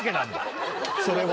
それは。